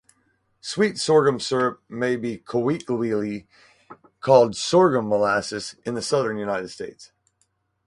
Sweet sorghum syrup may be colloquially called "sorghum molasses" in the southern United States.